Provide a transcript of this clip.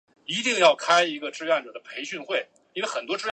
出身于神奈川县藤泽市。